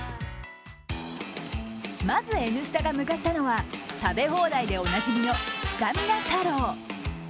まず「Ｎスタ」が向かったのは食べ放題でおなじみのすたみな太郎。